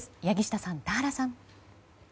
柳下さん、田原さん。